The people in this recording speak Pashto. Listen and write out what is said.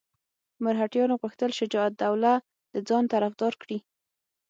مرهټیانو غوښتل شجاع الدوله د ځان طرفدار کړي.